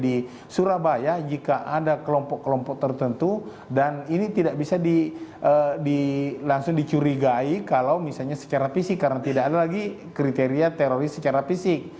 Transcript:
di surabaya jika ada kelompok kelompok tertentu dan ini tidak bisa langsung dicurigai kalau misalnya secara fisik karena tidak ada lagi kriteria teroris secara fisik